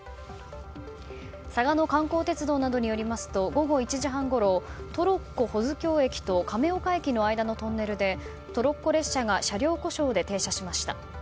嵯峨野観光鉄道などによりますと午後１時半ごろトロッコ保津峡駅と亀岡駅の間のトンネルでトロッコ列車が車両故障で停車しました。